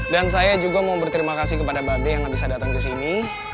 dan saya juga mau berterima kasih kepada babe yang bisa datang ke sini